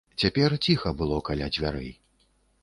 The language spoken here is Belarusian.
Цяпер ціха было каля дзвярэй.